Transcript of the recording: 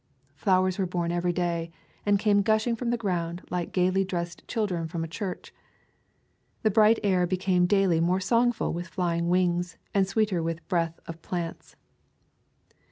Flowers were born every day, and came gush ing from the ground like gayly dressed children from a church. The bright air became daily more songful with fly wings, and sweeter with breath of plants.